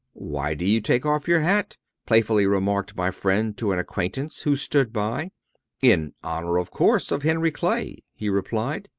"Why do you take off your hat?" playfully remarked my friend to an acquaintance who stood by. "In honor, of course, of Henry Clay," he replied.